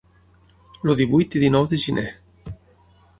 El divuit i dinou de gener.